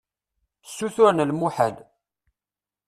Ssuturen lmuḥal.